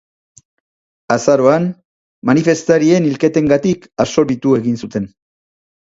Azaroan, manifestarien hilketengatik absolbitu egin zuten.